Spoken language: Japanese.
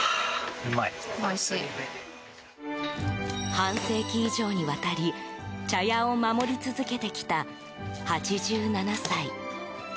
半世紀以上にわたり茶屋を守り続けてきた８７歳。